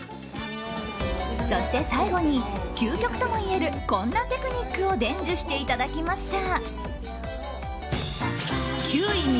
そして、最後に究極ともいえるこんなテクニックを伝授していただきました。